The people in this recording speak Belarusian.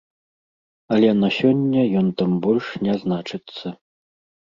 Але на сёння ён там больш не значыцца.